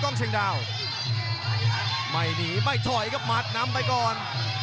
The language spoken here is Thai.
เชียงดาวไม่หนีไม่ถอยครับหมัดนำไปก่อน